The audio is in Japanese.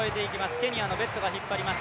ケニアのベットが引っ張ります。